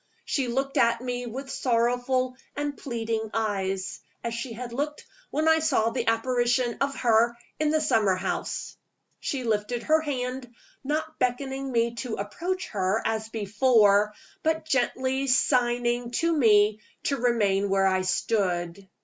She looked at me with sorrowful and pleading eyes, as she had looked when I saw the apparition of her in the summer house. She lifted her hand not beckoning me to approach her, as before, but gently signing to me to remain where I stood.